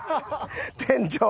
店長！